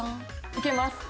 いけます。